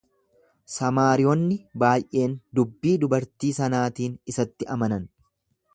Samaariyonni baay'een dubbii dubartii sanaatiin isatti amanan.